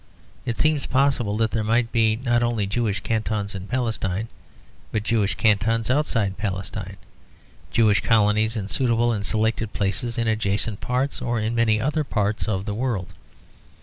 It seems possible that there might be not only Jewish cantons in Palestine but Jewish cantons outside Palestine, Jewish colonies in suitable and selected places in adjacent parts or in many other parts of the world.